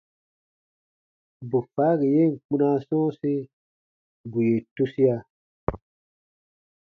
Bù faagi yen kpunaa sɔ̃ɔsi, bù yè tusia.